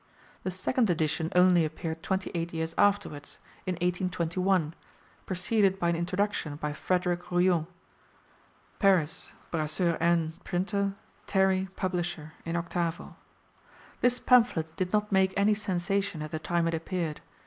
The second edition only appeared twenty eight years afterwards, in 1821, preceded by an introduction by Frederick Royou (Paris: Brasseur Aine, printer, Terrey, publisher, in octavo). This pamphlet did not make any sensation at the time it appeared.